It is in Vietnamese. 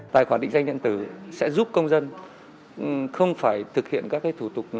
tài khoản định danh điện tử sẽ giúp công dân không phải thực hiện các thủ tục